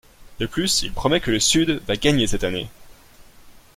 De plus il promet que le Sud va gagner cette année.